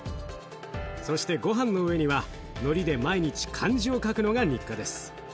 そしてごはんの上にはのりで毎日漢字を書くのが日課です。